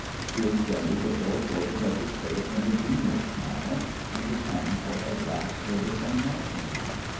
He extended the four quarters of his face in a genial smile, and his hand for a grasp of the same magnitude.